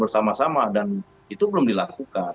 bersama sama dan itu belum dilakukan